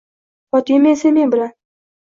Fotima esa men bilan.